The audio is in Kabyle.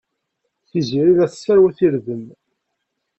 Tiziri la tesserwat irden.